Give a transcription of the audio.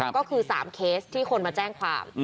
ก็คือ๓เคสที่คนมาแจ้งความ